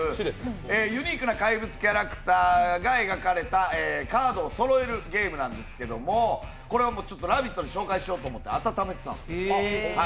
ユニークな怪物キャラクターが描かれたカードをそろえるゲームなんですけれどもこれを「ラヴィット！」で紹介しようと思って温めていたんです。